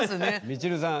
みちるさん